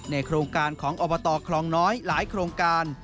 โครงการของอบตคลองน้อยหลายโครงการ